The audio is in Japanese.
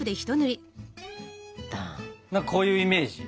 まっこういうイメージ。